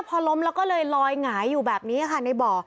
พอล้มแล้วก็เลยลอยหงายอยู่แบบนี้ค่ะในบ่อ